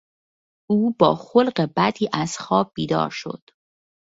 او با خلق بدی از خواب بیدار شد.